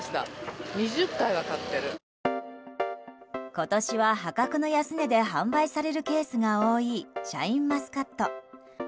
今年は破格の安値で販売されるケースが多いシャインマスカット。